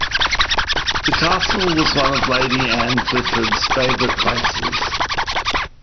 The castle was one of Lady Anne Clifford's favourite places.